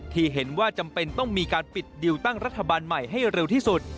ที่เห็นว่าจำเป็นต้องมีการปิดดิวตั้งรัฐบาลใหม่ให้เร็วที่สุด